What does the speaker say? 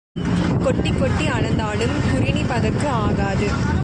கொட்டிக் கொட்டி அளந்தாலும் குறுணி பதக்கு ஆகாது.